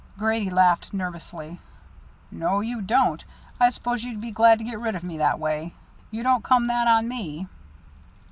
Grady laughed nervously. "No you don't. I suppose you'd be glad to get rid of me that way. You don't come that on me."